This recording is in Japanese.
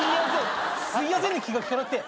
すいやせんね気が利かなくて。